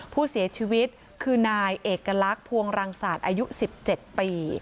ผู้เสียชีวิตคือนายเอกลักษณ์ภวงรังศาสตร์อายุ๑๗ปี